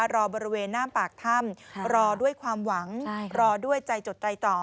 รอบริเวณหน้าปากถ้ำรอด้วยความหวังรอด้วยใจจดใจต่อ